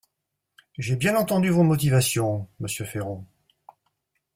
J’ai bien entendu vos motivations, monsieur Féron.